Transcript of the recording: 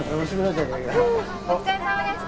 じゃあお疲れさまでした。